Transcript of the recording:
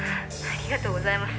「ありがとうございます。